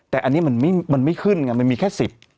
แต่อันนี้มันไม่ขึ้นไงมันมีแค่๑๐